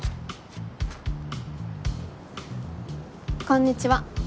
こんにちは。